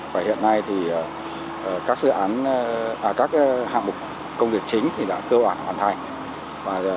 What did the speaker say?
và hiện nay các hạng mục công việc chính đã cơ bản hoàn thành